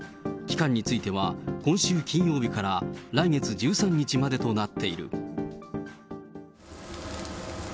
期間については、今週金曜日から来月１３日までとなっている。